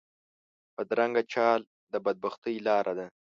بدرنګه چال د بد بختۍ لاره ده